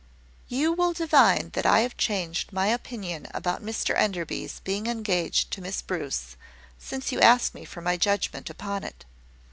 "You will divine that I have changed my opinion about Mr Enderby's being engaged to Miss Bruce, since you asked me for my judgment upon it.